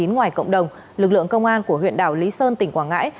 ngoài cộng đồng lực lượng công an của huyện đảo lý sơn tỉnh quảng ngãi